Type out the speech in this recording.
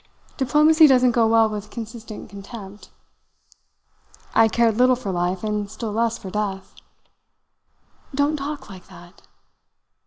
Diplomacy doesn't go well with consistent contempt. I cared little for life and still less for death." "Don't talk like that!"